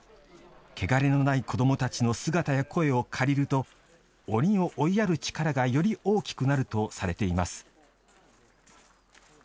穢れのない子どもたちの姿や声を借りると鬼を追いやる力がより大きくなるとされています。